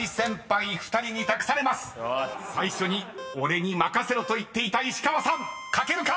［最初に「俺に任せろ」と言っていた石川さん書けるか⁉］